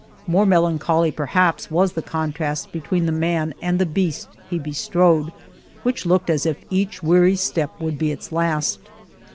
More mel ancholy perhaps was the contrast between the man and the beast he bestrode, which looked as if each weary step would be its last.